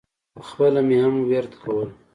پخپله مې هم ورد کول.